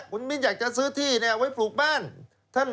คุณมิ้นอยากจะซื้อที่เนี่ยไว้ปลูกบ้าน